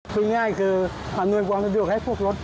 พูดง่ายคืออำนวยความสะดวกให้พวกรถ